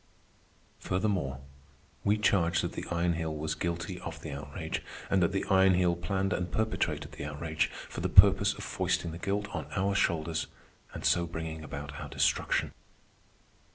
Furthermore, we charge that the Iron Heel was guilty of the outrage, and that the Iron Heel planned and perpetrated the outrage for the purpose of foisting the guilt on our shoulders and so bringing about our destruction.